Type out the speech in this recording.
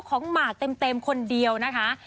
หมากเต็มคนเดียวนะคะ